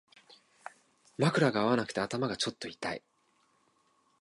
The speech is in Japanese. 枕が合わなくて頭がちょっと痛い